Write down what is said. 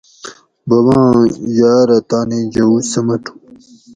بوباں یاۤرہ تانی جؤو سمٹو